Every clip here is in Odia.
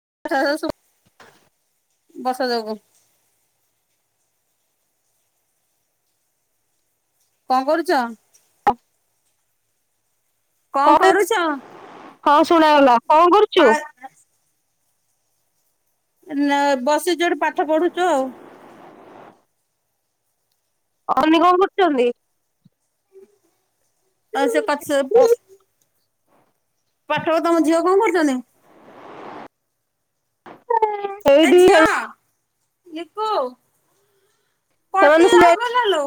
[unintelligible] [inaudible] ବର୍ଷା ଯୋଗୁ। କଣ କରୁଛ? [unintelligible] କଣ କରୁଛ? ହଁ ଶୁଣାଗଲା, କଣ କରୁଛୁ? ନା ବସିଚୁ ଏଠି ପାଠ ପଢୁଛୁ ଆଉ। ଅନି କଣ କରୁଛନ୍ତି? ଆସ ପଚପ। ପାଠ ତମ ଝିଅ କଣ କରୁଛନ୍ତି? ଏ ଏଇଠି ଖେ ଝିଅ ଲିକୁ ସେମାନେ ପଟି ସିନା ଆଉ କଣ ଲେଲୁ?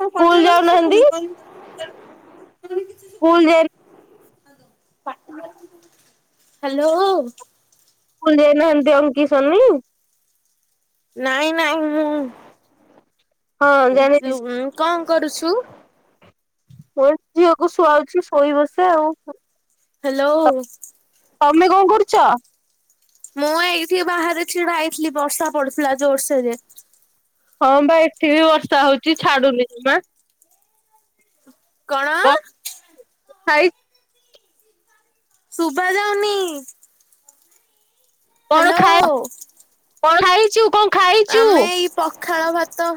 କଣ ସ୍କୁଲ କଟିଗଲାଣି ଯାଉନାହାନ୍ତି ଶୁଭୁନି କିଛି ସ୍କୁଲ ଶୁଭୁିନି। ଯାଇ ହ୍ୟାଲୋ। ସ୍କୁଲ ଯାଇନାହାନ୍ତି ଅଙ୍କି ସୋନି? ନାଇଁ ନାଇଁ ମୁଁ, ହଁ ଜାଣିଛି କଣ କରୁଛୁ? ମ ଝିଅକୁ ଶୁଆଉଛି ଶୋଇବ ସେ ଆଉ। ହ୍ୟାଲୋ। ତମେ କଣ କରୁଛ? ମୁଁ ଏଇଠି ବାହାରେ ଛିଡା ହେଇଥିଲି ବର୍ଷା ପଡୁଥିଲା ଜୋରସୋରେ। ହଁ ବା ଏଠି ବି ବର୍ଷା ହଉଛି ଛାଡୁନି ଜମା। କଣ [unintelligible] ସାଇ। ଶୁଭା ଯାଉନି। କଣ ଖାଇ ହ୍ୟାଲୋ। କଣ ହେଇଛୁ କଣ? ଖାଇଛୁ? ଆମେ ଏଇ ପଖାଳ ଭାତ,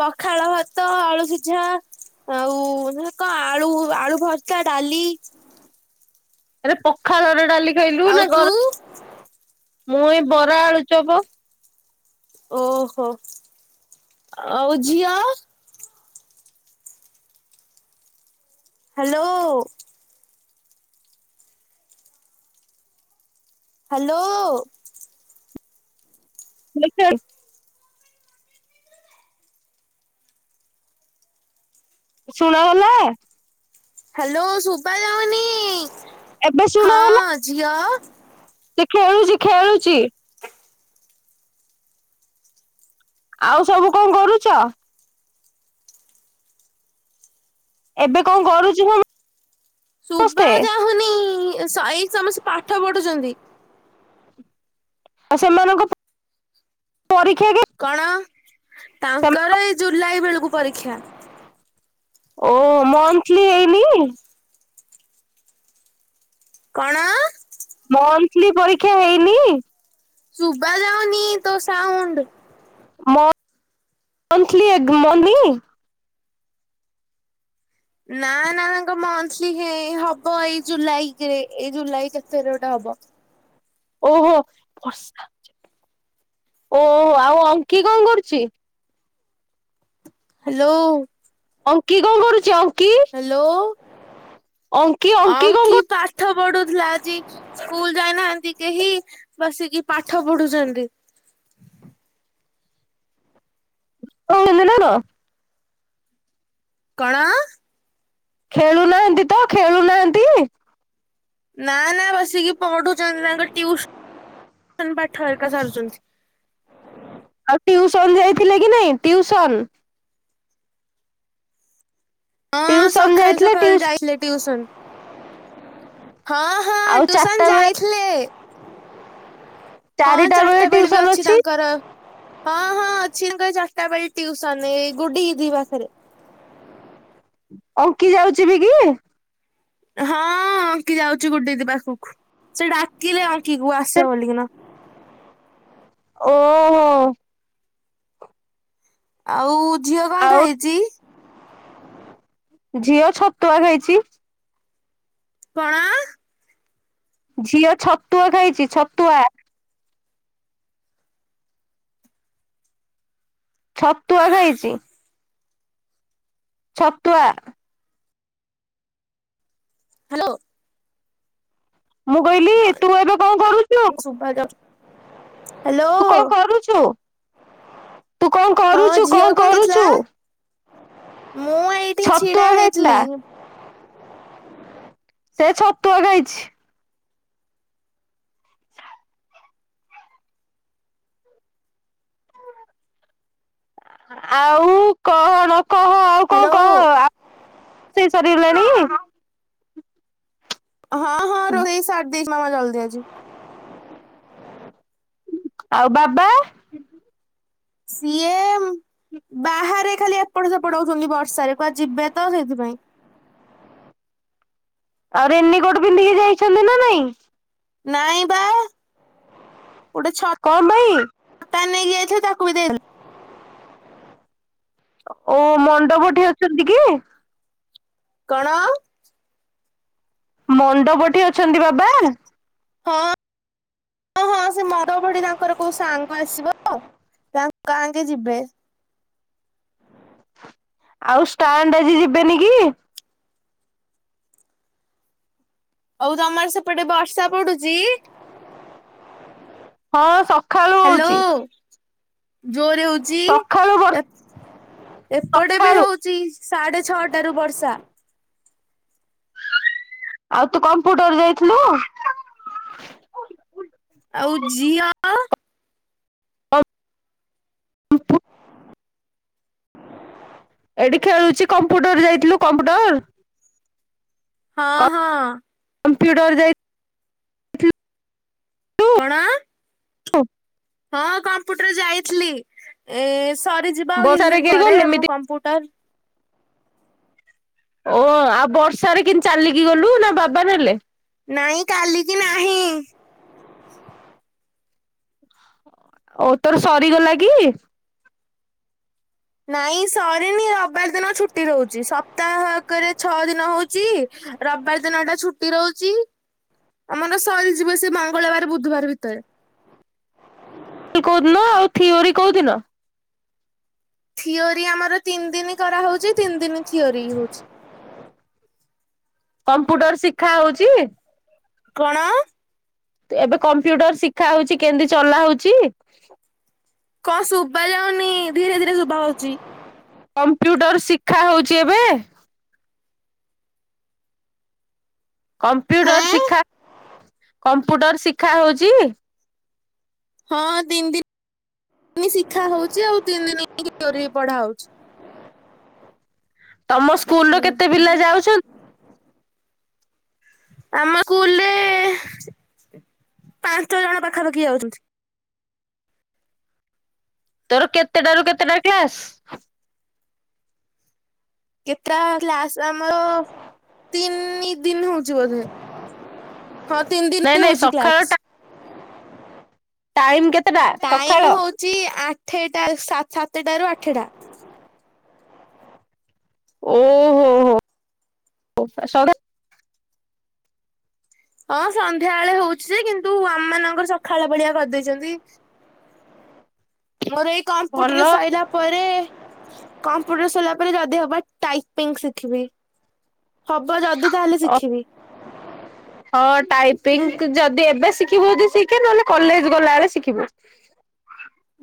ପଖାଳ ଭାତ, ଅଳୁ ସିଝା। ଆଉ କଣ ଆଳୁ ଆଳୁ ଭର୍ତା, ଡାଲି। ଆରେ ପଖାଳ ରେ ଡାଲି ଖାଇଲୁ ଆଉ ନା ତୁ ଗର ମୁଁ ଏଇ ବରା, ଆଳୁ ଚପ। ଓହୋ ଆଉ ଝିଅ? ହ୍ୟାଲୋ। ହ୍ୟାଲୋ। [unintelligible] ଶୁଣା ଗଲା? ହ୍ୟାଲୋ ଶୁଭା ଯାଉନି ଏବେ ହଁ ଶୁଣାଗଲା ଝିଅ। ସେ ଖେଳୁଛି, ଖେଳୁଛି। ଆଉ ସବୁ କଣ କରୁଛ? ଏବେ କଣ କରୁଛି ସବୁ? ଶୁବା ଯହୁନି ସାଇ ସମସ୍ତେ ପାଠ ପଢୁଛନ୍ତି। ଆଉ ସେମାନଙ୍କ ପରୀକ୍ଷା କେ କଣ? ସେମାନଙ୍କ ତାଙ୍କର ଏଇ ଜୁଲାଇ ବେଳକୁ ପରୀକ୍ଷା। ଓ ମନ୍ଥିଲି ହେଇନି? କଣ? ନ୍ତିଲୀ ପରୀକ୍ଷା ହେଇନି? ସୁଭା ଯାଉନି ତୋ ସାଉଣ୍ଡ। ମ ମନ୍ଥଲି ଏଗ ମନି। ନା ନା ତାଙ୍କ ମନ୍ଥଲି ହେ ହବ ଏଇ ଜୁଲାଇରେ ଏଇ ଜୁଲାଇ କେତେରେ ଗୋଟେ ହବ। ହବ। ଓହୋ ବର୍ଷା ହଉଚି। ଓହୋ ଆଉ ଅଙ୍କି କଣ କରୁଛି? ହ୍ୟାଲୋ। ଅଙ୍କି କଣ କରୁଛି? ଅଙ୍କି ହ୍ୟାଲୋ। ଅଙ୍କି ଅଙ୍କି କଣ ପାଠ ପଢୁଥିଲା ଆଜି। ସ୍କୁଲ୍ ଯାଇନାହାନ୍ତି କେହି ବସିକି ପାଠ ପଢୁଛନ୍ତି। ଓହୋ ଏ ମିନାର। କଣ? ଖେଳୁନାହାନ୍ତି ତ ଖେଳୁନାହାନ୍ତି? ନା ନା ବସିକି ପଢୁଚନ୍ତି ତାଙ୍କ ଟିଉସ ସନ ପାଠ ଏକା ସାରୁଛନ୍ତି। ଆଉ ଟିଉସନ ଯାଇଥିଲେ କି ନାଇଁ ଟିଉସନ? ହଁ ଟିଉସନ ସଖାଳୁ ଯାଇଥିଲେ ସଖାଳୁ ଟିଉ ଯାଇଥିଲେ ଟିଉସୁନ। ହଁ ହଁ ଆଉ ଟିଉସନ ଚାରିଟା ବେଳେ ଯାଇଥିଲେ। ହଁ ଚାଟା ବେଳେ ବି ଅଛି ତାଙ୍କର। ହଁ ହଁ ଅଛି ତାଙ୍କର ଚାଟା ବେଳେ ଟିଉସନ୍ ଏ ଗୁଡି ଦିଦି ପାଖରେ। ଅଙ୍କି ଯାଉଚି ବି କି? ହଁ ଅଙ୍କି ଯାଉଚି ଗୁଡି ଦିଦି ପାଖକୁ। ସେ ଡାକିଲେ ଅ କି କୁ ସେ ଆସ ବୋଲିକିନା। ଓହୋ! ଆଉ ଝିଅ କଣ ଆଉ ଖାଇଚି? ଝିଅ ଛତୁଆ ଖାଇଛି। କଣ? ଝିଅ ଛତୁଆ ଖାଇଚି ଛତୁଆ। ଛତୁଆ ଖାଇଛି। ଛତୁଆ। ହାଲୋ। ମୁଁ କହିଲି ତୁ ଏବେ କଣ କରୁଛୁ? ଶୁଭା ଯାଉଛି ହ୍ୟାଲୋ ତୁ କଣ କରୁଛୁ? ତୁ କଣ ହଁ କରୁଛୁ ଝିଅ କଣ ଖାଇଥିଲା? କରୁଛୁ ମୁଁ ଏଇଠି ଛିଡା ଛତୁଆ ହେଇଥିଲି। ଖାଇଥିଲା ସେ ଛତୁଆ ଖାଇଛି। ଆଉ କହଣ? ହାଲୋ। ସେଇ ସରିଗଲାଣିି? ହଁ ହଁ ରୋଷେଇ ସାରି ଦେଇଛି ମାମା ଜଲଦି ଆଜି। ଆଉ ବାବା? ସିଏ ଉଁ, ବାହାରେ ଖାଲି ଏପଟ ସେପଟ ହଉଛନ୍ତି ବର୍ଷାରେ କୁଆଡେ ଯିବେ ତ ସେଇଥିପାଇଁ। ଆଉ ରେନିକୋଟ ପିନ୍ଧିକି ଯାଇଛନ୍ତି ନା ନାଇଁ? ନାଇଁ ବା। ଗୋଟେ ଛତା କଣ ପାଇଁ? ନେଇକି ଯାଇଥିଲେ ତାକୁ ବି ଦେଇ [inaudible] ଓ ମଣ୍ଡପଠି ଅଛନ୍ତି କି? କଣ? ମଣ୍ଡପ ଠି ଅଛନ୍ତି ବାବା? ହଁ। ହଁ ହଁ ସେ ମଣ୍ଡପ ଠି ତାଙ୍କର କୋଉ ସାଙ୍ଗ ଆସିବ ତ ତାଙ୍କ ଆଙ୍କେ ଯିବେ। ଆଉ ଷ୍ଟାଣ୍ଡ ଆଜି ଯିବେନି କି? ଅଉ ତୋମର ସେପଟେ ବର୍ଷା ପଡୁଚି? ହଁ ସ ହ୍ୟାଲୋ। ଜୋରେ ହଉଛି ସକାଳୁ ବର୍ଷ ଏ ଏପଟେ ବି ସକାଳୁ ହଉଚି ସାଢେ ଛଅଟା ରୁ ବର୍ଷା। ଆଉ ତୁ କମ୍ପୁଟର ଯାଇଥିଲୁ? ଆଉ ଜିଅ? [inaudible] ଏଠି ଖେଳୁଛି, କମ୍ପୁଟର ଯାଇଥିଲୁ କମ୍ପୁଟର? ହଁ ହଁ। କମ୍ପୁଟର ଯାଇ ଥି କଣ? [unintelligible] ହଁ କମ୍ପୁଟର ଯାଇଥିଲି। ଏ ସରିଯିବା ଆଉ କିଛି ବର୍ଷାରେ ଦିନ କେହି ପରେ ଗଲୁ ଏମିତି ଆମ କମ୍ପ୍ୟୁଟର। ଓ ଆଉ ବର୍ଷାରେ କେମତି ଚାଲିକି ଗଲୁ ନା ବାବା ନେଲେ? ନାଇଁ କାଲି କି ନାହିଁ। ଓ ତୋର ସରିଗଲା କି? ନାଇଁ ସରିନି ରବିବାର ଦିନ ଛୁଟି ରହୁଛି ସପ୍ତାହକରେ ଛଅ ଦିନ ହଉଛି। ରବିବାର ଦିନଟା ଛୁଟି ରହୁଛି। ଆମର ସରିଯିବ ସେ ମଙ୍ଗଳବାର ବୁଧବାର ଭିତରେ। କୋଉଦିନ ଆଉ ଥିଓରି କୋଉଦିନ? ଥିଓରି ଆମର ତିନି ଦିନ କରାହଉଛି ତିନି ଦିନ ଥିଓରି ହଉଛି। କମ୍ପ୍ୟୁଟର ଶିଖା ହଉଛି? କଣ? ଏବେ କମ୍ପ୍ୟୁଟର ଶିଖା ହଉଚି କେମିତି ଚଲା ହଉଛି? କଣଶୁଭା ଯାଉନି ଧୀରେ ଧୀରେ ଶୁଭ ହଉଛି। କମ୍ପ୍ୟୁଟର ଶିକ୍ଷା ହଉଛି ଏବେ? କମ୍ପୁଟର ହେଁ ଶିଖା କମ୍ପ୍ୟୁଟର ଶିଖା ହଉଛି? ହଁ ତିନି ଦିନ ଶିଖା ହଉଛି ଆଉ ତିନି ଦିନ [unintelligible] ଚୋରି ପଢ଼ାଉଛ। ତମ ସ୍କୁଲର କେତେ ପିଲା ଯାଉଛନ୍? ଆମ କୁଲରେ ପାଞ୍ଚ ଜଣ ପାଖାପାଖି ଯାଉଛନ୍ତି। ତୋର କେତେଟା ରୁ କେତେଟା କ୍ଲାସ? କେତ୍ରା କ୍ଲାସ ଆମର ତିନି ଦିନ ହଉଛି ବୋଧେ। ହଁ ତିନି ନାଇଁ ଦିନ ନାଇଁ ହଉଛି ସକାଳ କ୍ଲାସ। ଟା ଟାଇମ କେତେଟା ସକାଳ। ଥେଟା ସାତ ସାତଟାରୁ ଆଠଟା। ଓହୋ ହୋ ସକା ହଁ ସନ୍ଧ୍ୟା ବେଳେ ହଉଛି ଯେ କିନ୍ତୁ ଆମ ମାନଙ୍କର ସକାଳ ପଡିଆ କରିଦେଇଛନ୍ତି। ହ ମୋର ଏଇ କମ୍ପ୍ୟୁଟର ରେ ସରିଲା ପରେ କମ୍ପ୍ୟୁଟର ସରିଲା ପରେ ଯଦି ହବା ଟାଇପିଙ୍ଗ ଶିଖିବି। ହବ ଯଦି ତାହେଲେ ଶିଖିବି। ହଁ ଟାଇପିଙ୍ଗ ଯଦି ଏବେ ଶିଖିବୁ ଯଦି ଶିଖେ ନହେଲେ କଲେଜ ଗଲାବେଳେ ଶିଖିବୁ।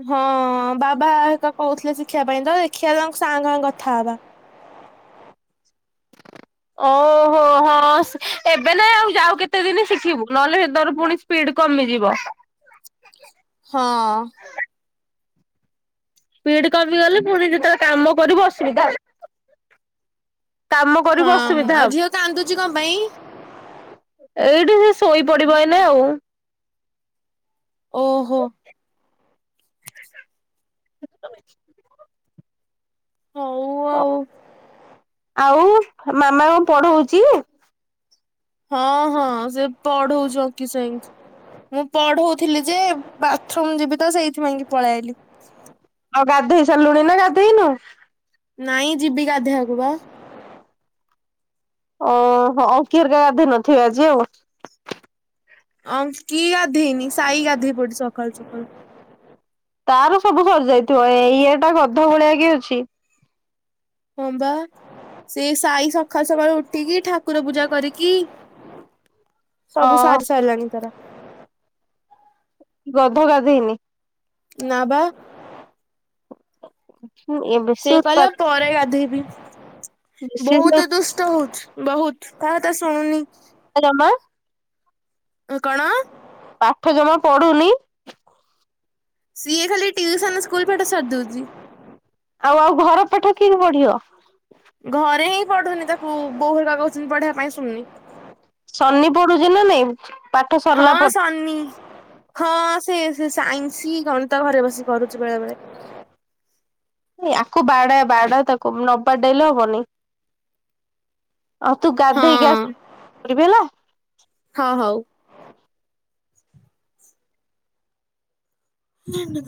ହଁ ବାବା ହେରିକା କହୁଥିଲେ ଶିଖିବା ପାଇଁ ତ ଦେଖିଆ ତାଙ୍କ ସାରଙ୍କ ସାଙ୍ଗେ କଥା ହବା। ହ ଓହୋ ହୋ ଏବେ ହଁ ଏଵେ ନାଇଁ ଆଉ ଯାଉ କେତେ ଦିନି ଶିଖିବୁ ନହେଲେ ସେର ପୁଣି ସ୍ପିଡ କମିଯିବ। ହଁ। ପିଡ କମି ଗଲେ ପୁଣି ଯେତେବେଳେ କାମ କରିବୁ ଅସୁବିଧା ହବ। କାମ ହଁ କରିବୁ ଅସୁବିଧା ଆଉ ହବ ଝିଅ କାନ୍ଦୁଛି କଣ ପାଇଁ? ଏଇଠି ସେ ଶୋଇପଡିବ ଏଇନା ଆଉ। ଓହୋ। [inaudible] ହଉ ଆଉ [inaudible] ଆଉ ମାମା କଁ ପଢ଼ୋଉଛି। ହଁ ହଁ ସେ ପଢଉଛିକି ସାଇଁ ମୁଁ ପଢଉଥିଲି ଯେ ବାଥରୁମ ଯିବି ତ ସେଇଥି ପାଇଁ କି ପଳେଇ ଆଇଲି। ଆଉ ଗାଧୋଇ ସାରିଲୁଣି ନା ଗାଧେଇନୁ। ନାଇଁ ଯିବି ଗାଧେଇବାକୁ ବା। ଓ ଆଉ କିର ଗଧିନଥିବେ ଆଜି ଆଉ। ଅଙ୍କି ଗାଧେଇନି ସହି ଗାଧେଇ ପଡି ସକାଳୁ ସକାଳୁ। ତାର ସବୁ ସରି ଯାଇଥିବ ଏ ଇଏ ଟା ଗଧ ଭଳିଆ କି ଅଛି। ହଁ ବା ସେ ସାଇ ସକାଳୁ ସକାଳୁ ଉଠିକି ଠାକୁର ପୂଜା କରିକି। ସବୁ ହଁ ସାରି ସାରିଲାଣି ତାରା। ଗଧ ଗାଧେଇନି। ନା ବା। ଏ ବେଶୀ ସେ କହିଲା ଉତ୍ପାତ ପରେ ଗାଧୋଇବି ବେଶୀ ବହୁତ ଉତ୍ପାତ ଦୁଷ୍ଟ ହଉଚି ବହୁତ୍। କାହା କଥା ଶୁଣୁନି। ଜମା ଏ କଣ। ପାଠ ଜମା ପଢୁନି। ସିଏ ଖାଲି ଟ୍ୟୁସନ୍ ସ୍କୁଲ ପାଠ ସାରି ଦଉଛି। ଆଉ ଆଉ ଘର ପାଠ କିନ୍ତି ପଢ଼ିବ। ଘରେ ହିଁ ପଢୁନି ତାକୁ ବୋଉ ହେରିକା କଉଛନ୍ତି ପଢିବା ପାଇଁ ଶୁଣୁନି। ଶନି ପଢ଼ୁଛି ନା ନାଇଁ। ପାଠ ହଁ ସରିଲା ପରେ ଶନି ହଁ ସେ ସେ ସାଇନ୍ସ ଗଣିତ ଘରେ ବସିିକ କରୁଛି ବେଳେ ବେଳେ। ଆକୁ ବାଡା ବାଡ଼ା ତାକୁ ନ ବାଡ଼େଇଲେ ହବନି। ଆଉ ତୁ ଗାଧେଇକି ହଁ ଆସ କରିବି ହେଲା। ହଁ ହଉ। [inaudible]